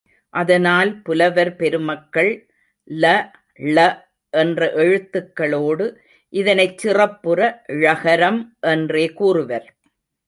அதனால் புலவர் பெருமக்கள் ல, ள என்ற எழுத்துக்களோடு இதனைச் சிறப்பு ழகரம் என்றே கூறுவர்.